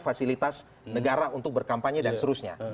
fasilitas negara untuk berkampanye dan seterusnya